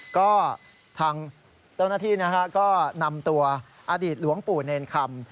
ก็ทางเจ้าหน้าที่ก็นำตัวอดีตหลวงปู่เนรคำ